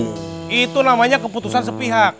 itu namanya keputusan sepihak